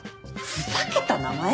ふざけた名前？